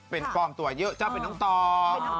เป็นกองตัวเยอะจ้ะเป็นน้องตอม